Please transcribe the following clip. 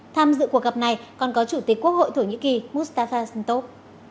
tham dự cuộc gặp này còn có chủ tịch quốc hội thổ nhĩ kỳ mustafa sentok